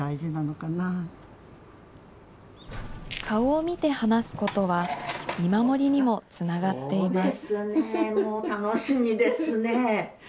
顔を見て話すことは、見守りにもつながっています。